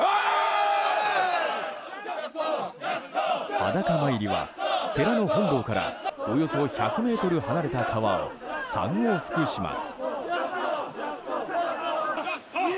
裸参りは寺の本堂からおよそ１００ｍ離れた川を３往復します。